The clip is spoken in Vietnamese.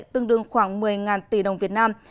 tương đương khoảng một mươi tỷ đồng việt nam